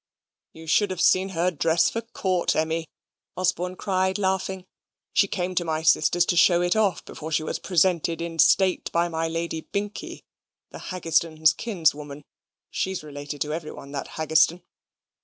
"You should have seen her dress for court, Emmy," Osborne cried, laughing. "She came to my sisters to show it off, before she was presented in state by my Lady Binkie, the Haggistoun's kinswoman. She's related to every one, that Haggistoun.